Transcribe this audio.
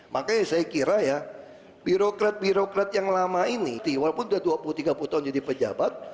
makanya saya kira ya birokrat birokrat yang lama ini walaupun sudah dua puluh tiga puluh tahun jadi pejabat